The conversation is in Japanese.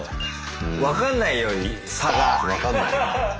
分かんないように差が。